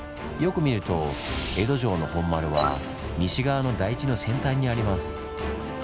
よく見ると江戸城の本丸は西側の台地の先端にあります。